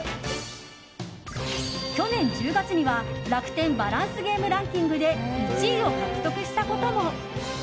去年１０月には楽天バランスゲームランキングで１位を獲得したことも。